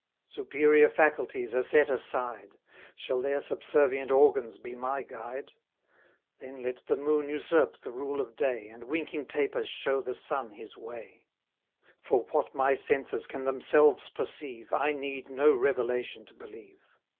Superior faculties are set aside; Shall their subservient organs be my guide? Then let the moon usurp the rule of day, And winking tapers show the sun his way; 90 For what my senses can themselves perceive, I need no revelation to believe.